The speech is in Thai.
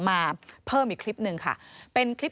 ก็เหมือนกับอ๊อฟนะครับ